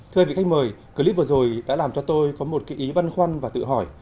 thưa vị khách mời clip vừa rồi đã làm cho tôi có một cái ý băn khoăn và tự hỏi